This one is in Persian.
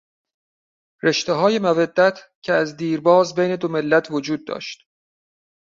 رشتههای مودت که از دیرباز بین دو ملت وجود داشت.